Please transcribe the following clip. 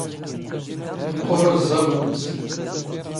ⵉⵇⵇⵓⵔ ⵓⵥⵥⴰⵍⵍⵓ ⵏⵏⵙ.